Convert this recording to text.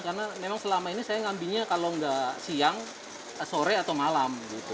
karena memang selama ini saya ngambilnya kalau nggak siang sore atau malam gitu